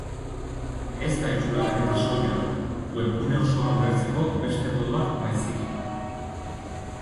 Ez da itxura aldaketa soila, webgune osoa ulertzeko beste modu bat baizik.